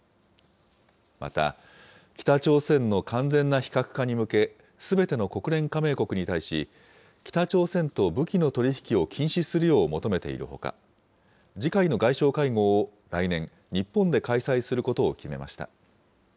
また、北朝鮮の完全な非核化に向け、すべての国連加盟国に対し、北朝鮮と武器の取り引きを禁止するよう求めているほか、次回の外相会合を来年、日本で開催することを決めました。